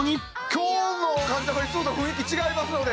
今日の『関ジャム』はいつもと雰囲気違いますので。